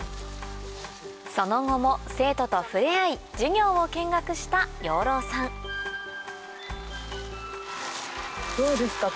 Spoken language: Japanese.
その後も生徒と触れ合い授業を見学した養老さんどうですか？